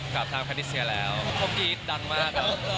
กับทางนัตเทียแล้วเค้าใกรีดดังมาก